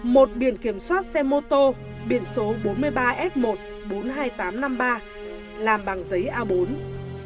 một biển kiểm soát xe mô tô biển số bốn mươi ba f một bốn mươi hai nghìn tám trăm năm mươi ba làm bằng giấy a bốn